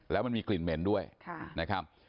แล้วมันมีกลิ่นเหม็นด้วยนะครับ